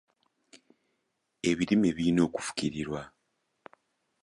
Ebirime birina okufukirirwa.